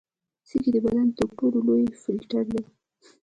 سږي د بدن تر ټولو لوی فلټر دي.